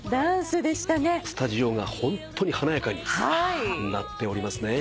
スタジオがホントに華やかになっておりますね。